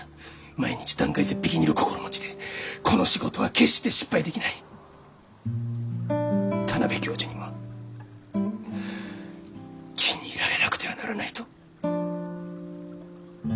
毎日断崖絶壁にいる心持ちでこの仕事は決して失敗できない田邊教授にも気に入られなくてはならないと。